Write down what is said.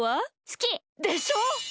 すき！でしょ！